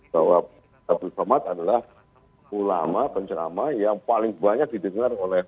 bahwa abdul somad adalah ulama pencerama yang paling banyak didengar oleh